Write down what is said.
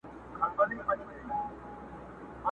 شپې پر ښار خېمه وهلې، رڼا هېره ده له خلکو!!